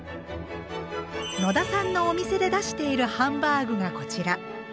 野田さんのお店で出しているハンバーグがこちら。